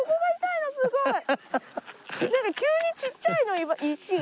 なんか急にちっちゃいの石が。